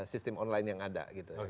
sistem online yang ada